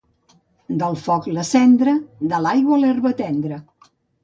Del foc, la cendra; de l'aigua, l'herba tendra.